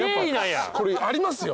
これありますよ。